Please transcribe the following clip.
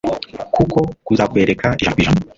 kuko kuzakwereka ijana ku ijana